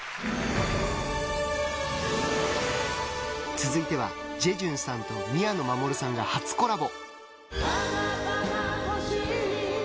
続いてはジェジュンさんと宮野真守さんが初コラボ。